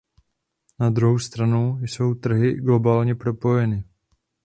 Na druhou stranu jsou trhy globálně propojeny.